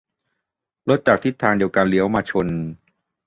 - รถจากทิศเดียวกันเลี้ยวมาชน